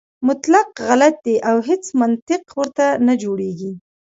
مطلق غلط دی او هیڅ منطق ورته نه جوړېږي.